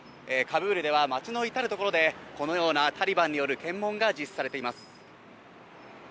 カブールでは、街の至る所でこのようなタリバンによる検問が実施されています。